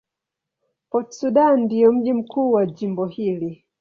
Port Sudan ndio mji mkuu wa jimbo hili.